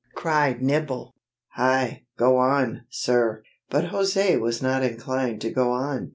cried Nibble, "Hi! go on, sir!" But José was not inclined to go on.